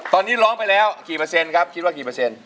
ตอนนี้ร้องไปแล้วกี่เปอร์เซ็นต์ครับคิดว่ากี่เปอร์เซ็นต